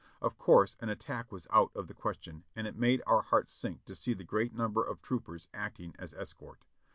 Of course an attack was out of the question, and it made our hearts sink to see the great number of troopers acting as escort.